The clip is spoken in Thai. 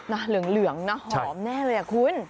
หน้าเหลืองหน้าหอมแน่เลยคุณใช่